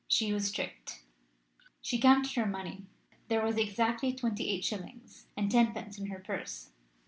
She was tricked. She counted her money. There was exactly twenty eight shillings and tenpence in her purse.